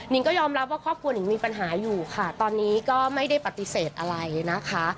ก็ยอมรับว่าครอบครัวนิงมีปัญหาอยู่ค่ะตอนนี้ก็ไม่ได้ปฏิเสธอะไรนะคะ